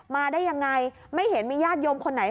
มาได้ยังไงไม่เห็นมีญาติโยมคนไหน